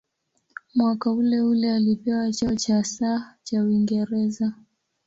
Mwaka uleule alipewa cheo cha "Sir" cha Uingereza.